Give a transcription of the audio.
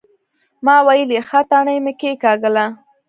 ما ويلې ښه تڼۍ مې کېکاږله.